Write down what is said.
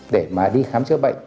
để mà đi khám chữa bệnh